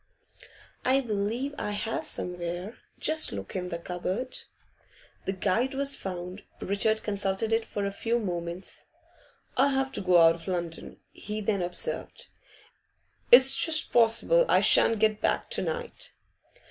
'I believe I have somewhere. Just look in the cupboard.' The guide was found. Richard consulted it for a few moments. 'I have to go out of London,' he then observed. 'It's just possible I shan't get back to night.